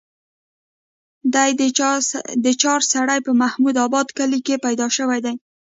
دے د چارسرې پۀ محمود اباد کلي کښې پېدا شوے دے